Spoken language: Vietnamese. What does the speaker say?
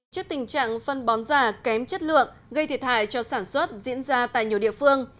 trước tình trạng phân bón giả kém chất lượng gây thiệt hại cho sản xuất diễn ra tại nhiều địa phương